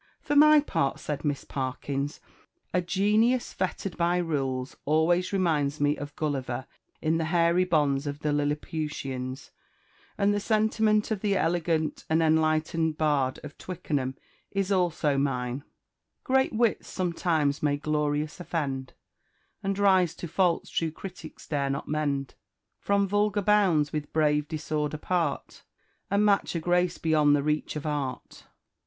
"For my part," said Miss Parkins, "a genius fettered by rules always reminds me of Gulliver in the hairy bonds of the Lilliputians; and the sentiment of the elegant and enlightened bard of Twickenham is also mine 'Great wits sometimes may glorious offend, And rise to faults true critics dare not mend; From vulgar bounds with brave disorder part, And match a grace beyond the reach of art.'